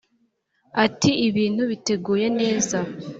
Ati “ Ibintu biteguye neza